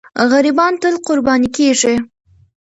غریبان تل قرباني کېږي.